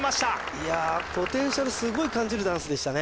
いやーポテンシャルすごい感じるダンスでしたね